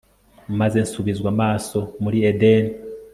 maze nsubizwa amaso muri Edeni